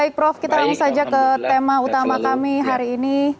baik prof kita langsung saja ke tema utama kami hari ini